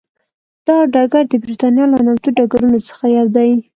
دا ډګر د برېتانیا له نامتو ډګرونو څخه یو دی.